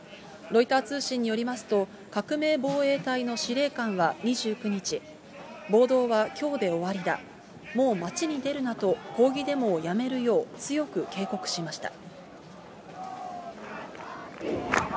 ロイター通信によりますと、革命防衛隊の司令官は２９日、暴動はきょうで終わりだ、もう街に出るなと、抗議デモをやめるよう強く警告しました。